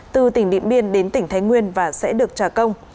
từ tỉnh điện biên đến tỉnh thái nguyên và sẽ được trả công